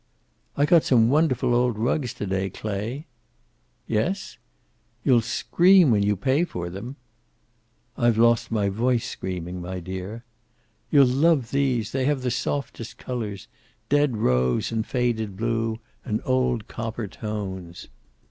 "I got some wonderful old rugs to day, Clay." "Yes?" "You'll scream when you pay for them." "I've lost my voice screaming, my dear." "You'll love these. They have the softest colors, dead rose, and faded blue, and old copper tones."